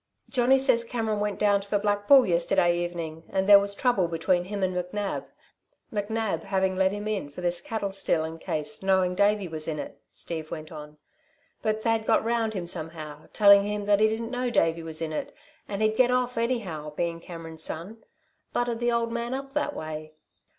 "Johnny says, Cameron went down to the Black Bull yesterday evening, and there was trouble between him and McNab McNab having let him in for this cattle stealin' case, knowing Davey was in it," Steve went on. "But Thad got round him somehow, telling him that he didn't know Davey was in it, and he'd get off, anyhow, bein' Cameron's son. Buttered the old man up that way.